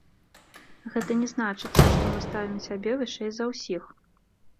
Гэта не значыцца, што мы ставім сябе вышэй за ўсіх.